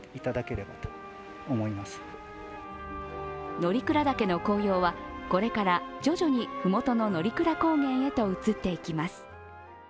乗鞍岳の紅葉はこれから徐々に麓の乗鞍高原へと移っていきます。